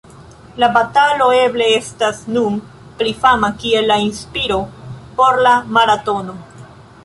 La batalo eble estas nun pli fama kiel la inspiro por la maratono.